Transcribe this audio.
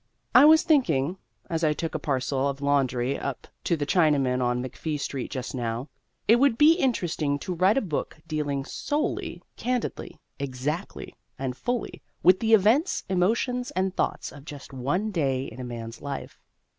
I was thinking, as I took a parcel of laundry up to the Chinaman on McFee Street just now, it would be interesting to write a book dealing solely, candidly, exactly, and fully with the events, emotions, and thoughts of just one day in a man's life.